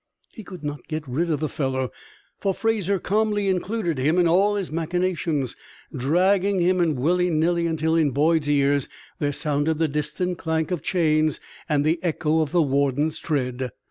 He could not get rid of the fellow, for Fraser calmly included him in all his machinations, dragging him in willy nilly, until in Boyd's ears there sounded the distant clank of chains and the echo of the warden's tread.